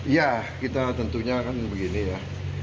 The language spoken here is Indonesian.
ya kita tentunya kan begini ya